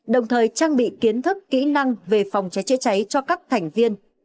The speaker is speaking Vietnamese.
đồng thời trang bị kiến thức kỹ năng về phòng cháy chữa cháy cho các thành viên